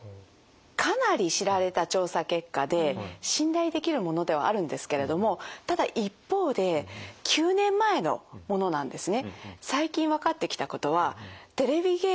かなり知られた調査結果で信頼できるものではあるんですけれどもただ一方で９年前のものなんですね。